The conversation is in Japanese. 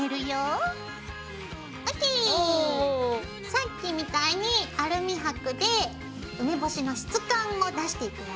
さっきみたいにアルミはくで梅干しの質感を出していくよ。